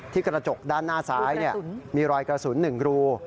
กระจกด้านหน้าซ้ายมีรอยกระสุน๑รู